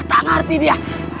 tak ngerti dia